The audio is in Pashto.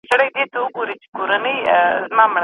ایا ملي بڼوال پسته اخلي؟